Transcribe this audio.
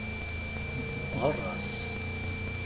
Ɣer-as.